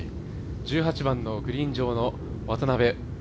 １８番のグリーン上の渡邉。